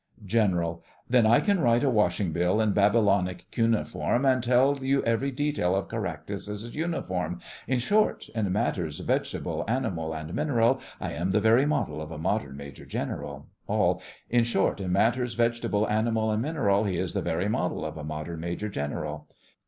GENERAL: Then I can write a washing bill in Babylonic cuneiform, And tell you ev'ry detail of Caractacus's uniform: In short, in matters vegetable, animal, and mineral, I am the very model of a modern Major General. ALL: In short, in matters vegetable, animal, and mineral, He is the very model of a modern Major General.